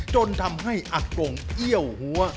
จนทำให้อากงเอี้ยวหัว